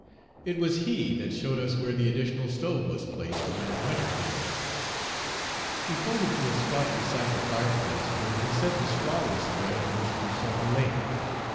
It was he that showed us where the additional stove was placed when winter came on. Page 346 He pointed to a spot beside the fireplace, where he said the straw was spread on which Toussaint lay.